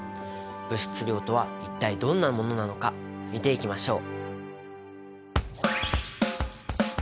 物質量とは一体どんなものなのか見ていきましょう！